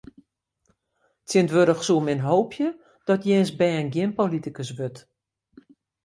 Tsjintwurdich soe men hoopje dat jins bern gjin politikus wurdt.